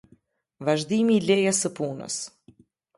Vazhdimi i lejes së punës.